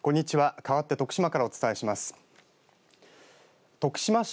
かわって徳島からお伝えします。